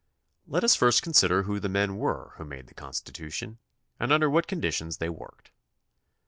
Let us first consider who the men were who made the Constitution and under what conditions they worked.